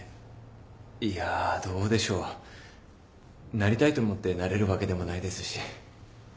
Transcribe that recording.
なりたいと思ってなれるわけでもないですし。